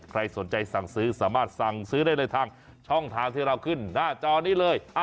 ใครสนใจสั่งซื้อสามารถสั่งซื้อได้เลยทางช่องทางที่เราขึ้นหน้าจอนี้เลย